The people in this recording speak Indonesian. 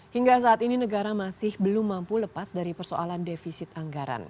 hingga saat ini negara masih belum mampu lepas dari persoalan defisit anggaran